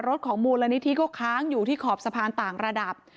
รถของมูธรนิษฐี่ก็ค้างอยู่ที่ขอบสะพานต่างระดาษ